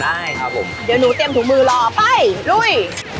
ได้ครับผมเดี๋ยวหนูเตรียมถุงมือรอไปลุย